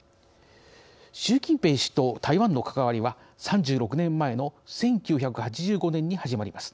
習近平氏と台湾の関わりは３６年前の１９８５年に始まります。